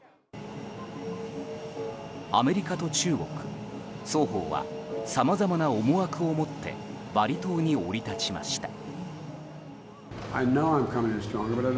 アメリカと中国、双方はさまざまな思惑をもってバリ島に降り立ちました。